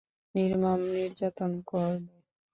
নির্মম নির্যাতন করবে।